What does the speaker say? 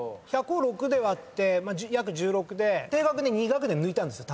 １００を６で割って約１６で低学年２学年抜いたんですよ